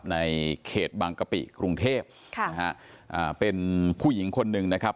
ในเขตบางกะปิกรุงเทพค่ะนะฮะอ่าเป็นผู้หญิงคนหนึ่งนะครับ